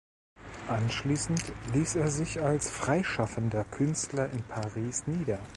Anschließend ließ er sich als freischaffender Künstler in Paris nieder.